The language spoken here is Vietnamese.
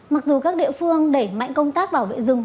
mặc dù các địa phương đẩy mạnh công tác bảo vệ rừng